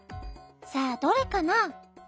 さあどれかな？